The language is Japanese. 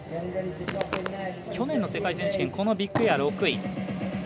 去年の世界選手権このビッグエア６位。